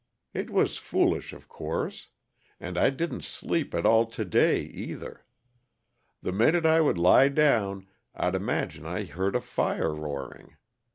It was foolish, of course. And I didn't sleep at all to day, either. The minute I would lie down I'd imagine I heard a fire roaring.